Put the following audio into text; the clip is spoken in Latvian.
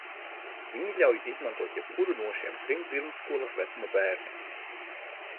Viņa ļauj izmantot jebkuru no šiem trim pirmsskolas vecuma bērniem.